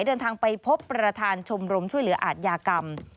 เดินทางไปพบประธานชมรมช่วยเหลืออาทยากรรม